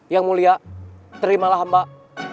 yang mulia terimalah mbak